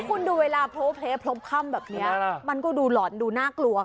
ทุกคนุดูเวลาโบราะแบบนี้มันก็ดูหลอนดูน่ากลัวครับ